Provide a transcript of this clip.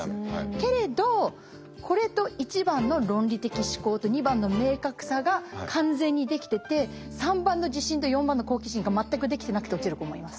けれどこれと１番の論理的思考と２番の明確さが完全にできてて３番の自信と４番の好奇心が全くできてなくて落ちる子もいます。